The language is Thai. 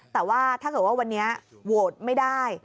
แต่ว่าถ้าเกิดว่าวันนี้โหวตไม่ได้